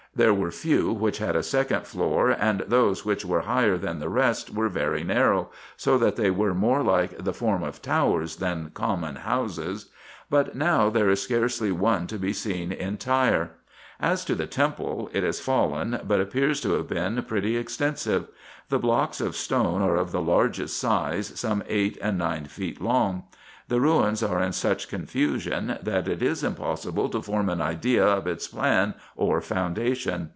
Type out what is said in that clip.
There were few which had a second floor, and those which were higher than the rest were very narrow, so that they were more like the form of towers than common houses ; but now there is scarcely one to be seen entire. As to the temple, it is fallen, but appears to have been pretty extensive. The blocks of stone are of the largest size, some eight and nine feet long. The ruins are in such confusion, that it is impossible to form an idea of its plan or foundation.